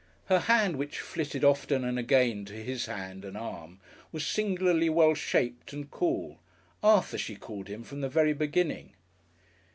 Her hand, which flitted often and again to his hand and arm, was singularly well shaped and cool. "Arthur," she called him from the very beginning.